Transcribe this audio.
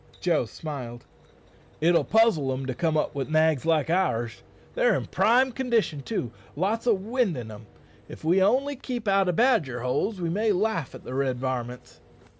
Joe smiled. "It'll puzzle them to come up wi' nags like ours. They're in prime condition, too lots o' wind in' em. If we only keep out o' badger holes we may laugh at the red varmints."